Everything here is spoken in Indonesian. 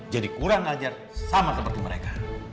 jadi kurang ajar sama seperti mereka